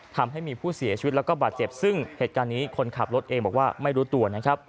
ทำให้มีผู้เสียชีวิตแล้วก็บาดเจ็บซึ่งเหตุการณ์นี้คนขับรถเองบอกว่าไม่รู้ตัวนะครับ